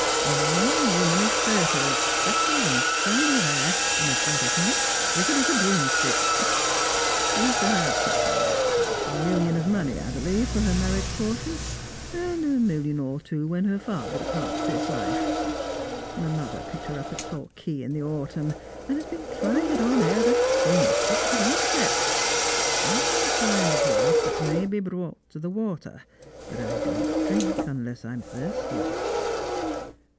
— a young woman of thirty, with freckles and sandy hair, and about as much figure as a broomstick. She's to have something like half a milHon of money, I believe, for her marriage portion ; and a million or two when her father departs Strangers and Pilgrims. 253 this life. My motlier picked her up at Torquay in the aatumn, and has been trying it on ever since, but without effect. I'm the kind of horse that may be brought to the water, but I don't driiik unless I'm thirsty."